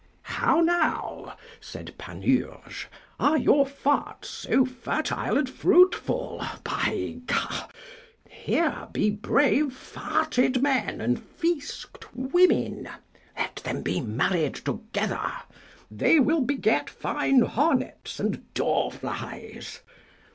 How now! said Panurge, are your farts so fertile and fruitful? By G , here be brave farted men and fisgued women; let them be married together; they will beget fine hornets and dorflies.